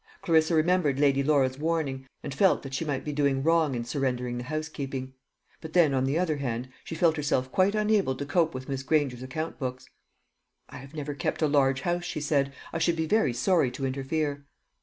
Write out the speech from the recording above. Clarissa remembered Lady Laura's warning, and felt that she might be doing wrong in surrendering the housekeeping. But then, on the other hand, she felt herself quite unable to cope with Miss Granger's account books. "I have never kept a large house," she said. "I should be very sorry to interfere."